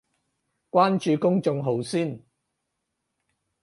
關注公眾號先